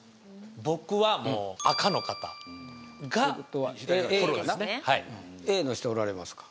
僕はもう赤の方がプロですねＡの人おられますか？